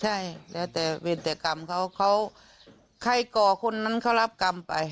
ใช่แล้วแต่เวรกรรมเขาเขาใครก่อคนนั้นเขารับกรรมไป